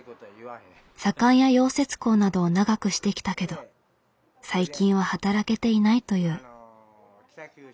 左官や溶接工などを長くしてきたけど最近は働けていないという。